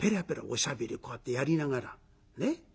おしゃべりをこうやってやりながらね？